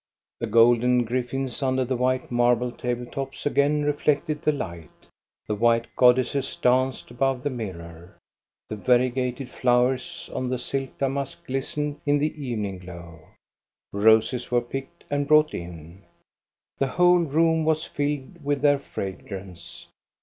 The golden griffins under the white marble table tops again reflected the light. The white goddesses danced above the mirror. The variegated flowers on the silk damask glistened in the evening glow. Roses were picked and brought in. The whole room was filled with their fragrance.